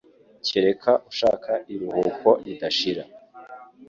kereka ushaka iruhuko ridashira.